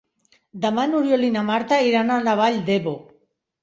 Demà n'Oriol i na Marta iran a la Vall d'Ebo.